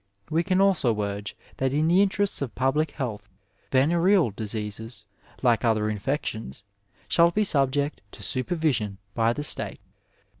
We can also urge that in the intraests of public health venereal diseases, like other infections, shall be subject to supervision by the State.